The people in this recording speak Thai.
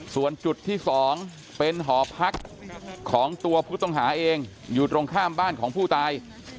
ส่วนจุดที่๒เป็นหอพักของตัวผู้ต้องหาเองอยู่ตรงข้ามบ้านของผู้ตาย